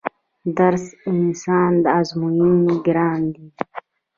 درس اسان ازمون يې ګران دی